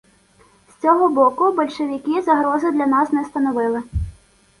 З цього боку большевики загрози для нас не становили.